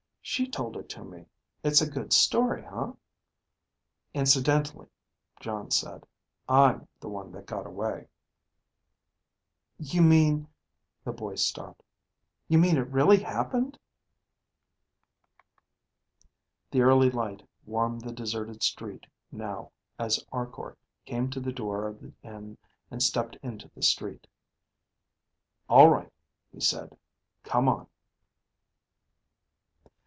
"She told it to me. It's a good story, huh?" "Incidentally," Jon said. "I'm the one that got away." "You mean?" The boy stopped. "You mean it really happened?" The early light warmed the deserted street now as Arkor came to the door of the inn and stepped into the street. "All right," he said. "Come on."